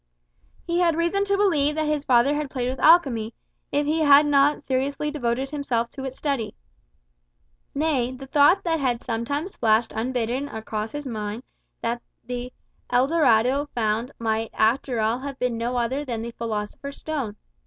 He had reason to believe that his father had played with alchemy, if he had not seriously devoted himself to its study. Nay, the thought had sometimes flashed unbidden across his mind that the "El Dorado" found might after all have been no other than the philosopher's stone.